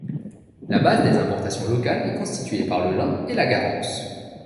La base des importations locales est constituée par le lin et la garance.